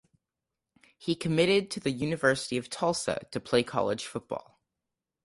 He committed to the University of Tulsa to play college football.